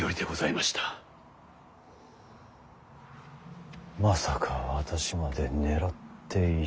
まさか私まで狙っていたとはな。